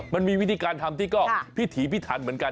มันมีวิธีการทำที่ก็พิถีพิถันเหมือนกัน